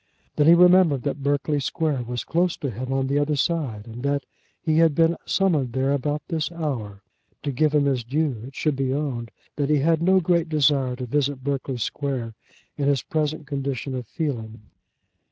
Then he remembered that Berkeley Square was close to him on the other side, and that he had been summoned there about this hour. To give him his due, it should be owned that he had no great desire to visit Berkeley Square in his present condition of feeling.